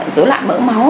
dối loạn mỡ máu